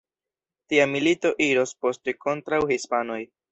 Tia milito iros poste kontraŭ hispanoj.